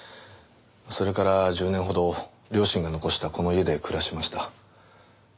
それから１０年ほど両親が残したこの家で暮らしました。